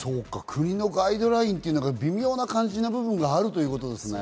国のガイドラインっていうのが微妙な感じな部分があるということですね。